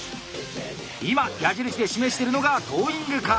今矢印で示しているのがトーイングカー。